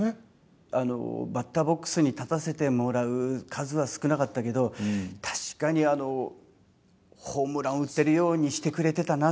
バッターボックスに立たせてもらう数は少なかったけど確かにホームランを打てるようにしてくれてたなとは思います。